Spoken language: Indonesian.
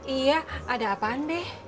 iya ada apaan be